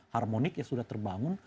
harmonik yang sudah terbangun